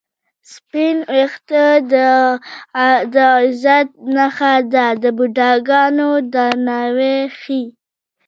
سپین وېښته د عزت نښه ده د بوډاګانو درناوی ښيي